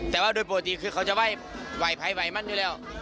แต่ว่าโดยปกติคือเขาจะไหว้ไหวภัยไหวมันอยู่แล้ว